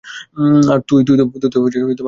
আর তুই, তুইতো আমার রক্তের মতো।